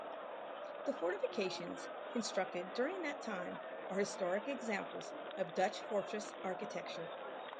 The fortifications, constructed during that time, are historic examples of Dutch fortress architecture.